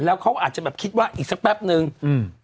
แล้วเขาอาจจะแบบคิดว่าอีกสักแป๊บนึงอืม